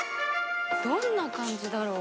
どんな感じだろう？